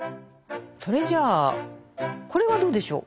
それじゃあこれはどうでしょう。